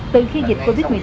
từ khi dịch covid một mươi chín